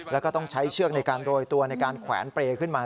แล้วก็ต้องใช้เชือกในการโรยตัวในการแขวนเปรย์ขึ้นมา